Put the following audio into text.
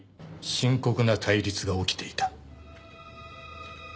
深刻な対立が起きていた。